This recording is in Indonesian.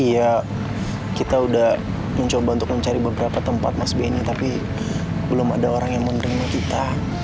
ya kita udah mencoba untuk mencari beberapa tempat mas benny tapi belum ada orang yang menerima kita